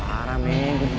untuk minta maaf